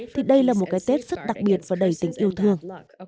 thì đây là một cái tết rất đặc biệt và đầy tình yêu thương